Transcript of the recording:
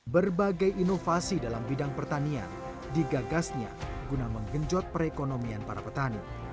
berbagai inovasi dalam bidang pertanian digagasnya guna menggenjot perekonomian para petani